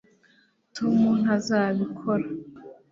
tom ntazabikora